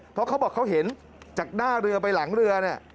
เพราะเขาบอกเขาเห็นจากหน้าเรือไปหลังเรือเนี่ย